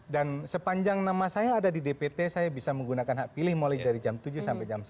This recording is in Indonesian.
dan sepanjang nama saya ada di dpt saya bisa menggunakan hak pilih mulai dari jam tujuh sampai jam satu